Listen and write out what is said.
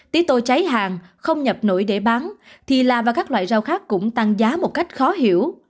tí tô cháy hàng không nhập nổi để bán thì la và các loại rau khác cũng tăng giá một cách khó hiểu